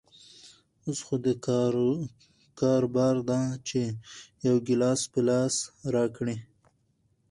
اوس خو دکار بار ده چې يو ګيلاس په لاس راکړي.